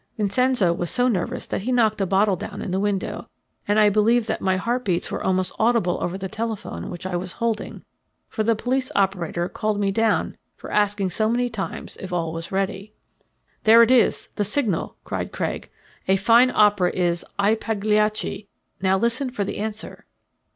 Vincenzo was so nervous that he knocked a bottle down in the window, and I believe that my heartbeats were almost audible over the telephone which I was holding, for the police operator called me down for asking so many times if all was ready. "There it is the signal," cried Craig. "'A fine opera is "I Pagliacci."' Now listen for the answer."